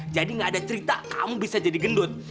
jadi gak ada cerita kamu bisa jadi gendut